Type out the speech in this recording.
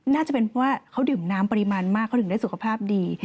น่าจะเป็นเพราะว่าเขาดื่มน้ำปริมาณมากเขาถึงได้สุขภาพดี